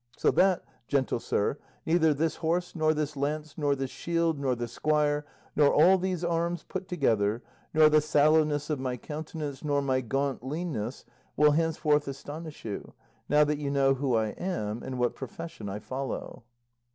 So that, gentle sir, neither this horse, nor this lance, nor this shield, nor this squire, nor all these arms put together, nor the sallowness of my countenance, nor my gaunt leanness, will henceforth astonish you, now that you know who I am and what profession I follow."